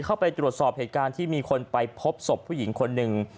เข้าไปตรวจสอบเหตุการณ์ที่มีคนไปพบศพผู้หญิงคนหนึ่ง